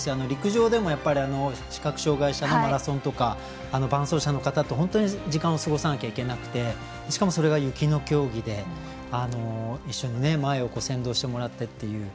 陸上でも視覚障がい者のマラソンとか伴走者の方と本当に時間を過ごさないといけなくてしかも、それが雪の競技で一緒に前を先導してもらって。